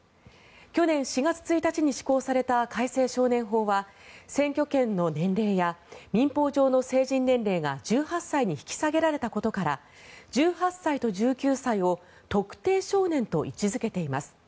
去年４月１日に施行された改正少年法は選挙権の年齢や民法上の成人年齢が１８歳に引き下げられたことから１８歳と１９歳を特定少年と位置付けています。